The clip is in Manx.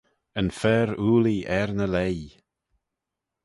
Yn fer oolee er ny leih.